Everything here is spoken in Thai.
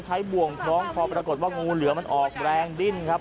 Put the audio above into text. บ่วงคล้องคอปรากฏว่างูเหลือมันออกแรงดิ้นครับ